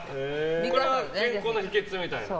これは、健康の秘訣みたいな？